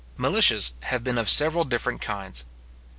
Militias have been of several different kinds.